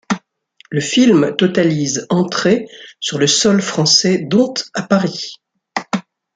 Le film totalise entrées sur le sol français, dont à Paris.